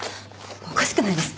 おかしくないですか？